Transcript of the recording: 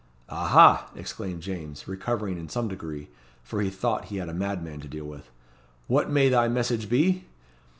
"Aha!" exclaimed James, recovering in some degree, for he thought he had a madman to deal with. "What may thy message be?"